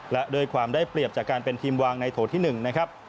และด้วยความได้เปรียบจากการเป็นทีมวางในโถที่๑นะครับ